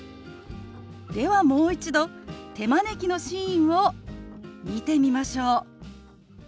ではもう一度手招きのシーンを見てみましょう。